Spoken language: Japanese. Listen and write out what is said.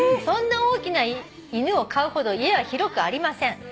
「そんな大きな犬を飼うほど家は広くありません」